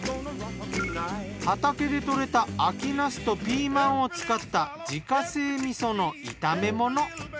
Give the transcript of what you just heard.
畑で採れた秋なすとピーマンを使った自家製味噌の炒め物。